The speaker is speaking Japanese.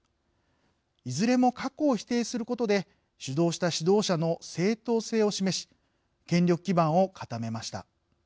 いずれも過去を否定することで主導した指導者の正統性を示し権力基盤を固めました。